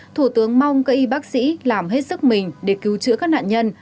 thủ tướng mong cây bác sĩ làm hết sức mình để cứu chữa các nạn nhân